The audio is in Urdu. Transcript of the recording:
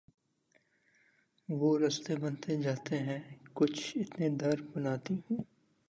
وہ رستہ بنتے جاتے ہیں کچھ اتنے در بناتی ہوں